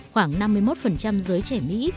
khoảng năm mươi một giới trẻ mỹ